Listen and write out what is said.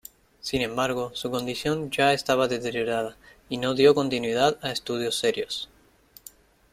Sin embargo, su condición ya estaba deteriorada, y no dio continuidad a estudios serios.